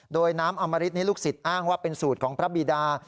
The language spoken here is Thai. โดยน้ำอมริตนี้ลูกศิษย์อ้างว่าเป็นสูตรของพระบีดา